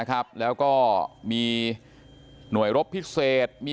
ขอบคุณทุกคน